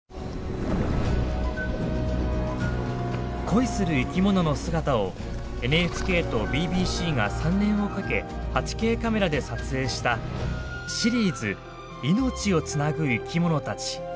恋する生きものの姿をＮＨＫとＢＢＣが３年をかけ８Ｋカメラで撮影したシリーズ「命をつなぐ生きものたち」。